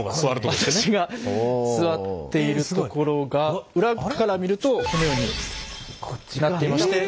私が座っているところが裏から見るとこのようになってまして。